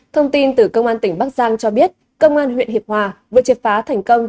thông tin từ công an tỉnh bắc giang cho biết công an huyện hiệp hòa vừa triệt phá thành công